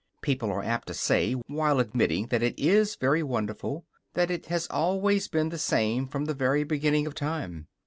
People are apt to say, while admitting that it is very wonderful, that it has always been the same from the very beginning of time.